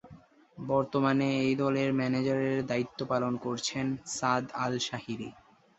বর্তমানে এই দলের ম্যানেজারের দায়িত্ব পালন করছেন সাদ আল শাহিরি।